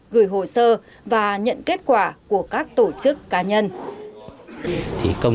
gửi hồ sơ và nhận kết quả của các tổ chức cá nhân